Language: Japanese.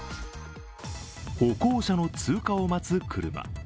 歩行者の通過を待つ車。